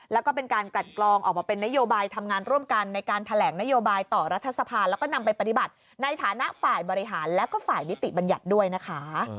แล้วก็เป็นการกลัดกลองออกมาเป็นนโยบายทำงานร่วมกันในการแถลงนโยบายต่อรัฐสภาแล้วก็นำไปปฏิบัติในฐานะฝ่ายบริหารแล้วก็ฝ่ายนิติบัญญัติด้วยนะคะ